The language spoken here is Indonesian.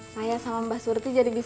saya sama mbak surti jadi bisa